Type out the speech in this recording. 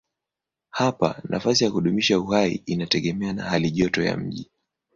Hapa nafasi ya kudumisha uhai inategemea na halijoto ya maji.